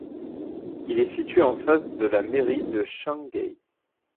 Il est situé en face de la Mairie de Shanghai.